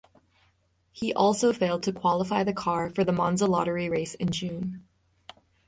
He also failed to qualify the car for the Monza Lottery race in June.